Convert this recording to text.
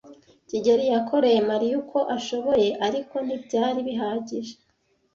kigeli yakoreye Mariya uko ashoboye, ariko ntibyari bihagije.